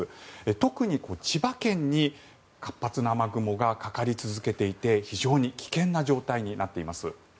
特に千葉県に活発な雨雲がかかり続けていて非常に危険な状態になっています。